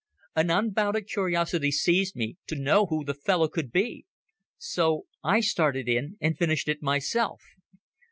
An unbounded curiosity seized me to know who the fellow could be. So I started in and finished it myself.